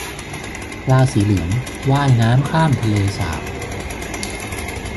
ปลาสีเหลืองว่ายน้ำข้ามทะเลสาบ